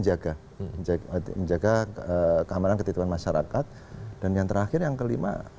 yang keempat terkait dengan kamtipmas tentunya wajib menjaga kehamilan ketituan masyarakat dan yang terakhir yang kelima